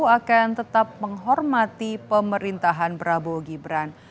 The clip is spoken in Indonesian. akan tetap menghormati pemerintahan prabowo gibran